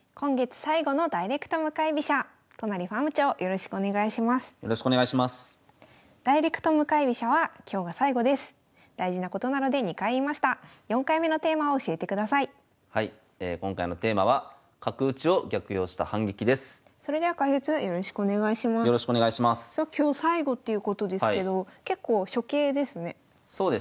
さあ今日最後っていうことですけど結構初形ですね。